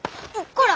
こら！